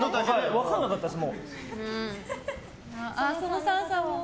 分からなかったです。